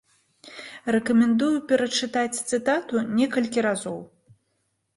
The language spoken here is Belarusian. Рэкамендую перачытаць цытату некалькі разоў.